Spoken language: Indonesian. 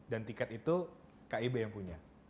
dan tiket itu keb yang punya